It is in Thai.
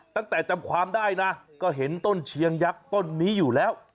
จำความได้นะก็เห็นต้นเชียงยักษ์ต้นนี้อยู่แล้ว